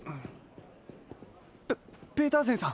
ペペーターゼンさん。